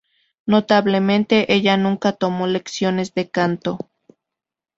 Notablemente, ella nunca tomó lecciones de canto.